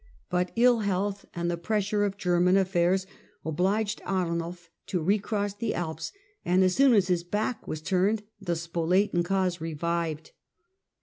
But ill health and the pressure of German affairs obliged Arnulf to recross the Alps, and as soon as his back was turned the Spoletan cause revived.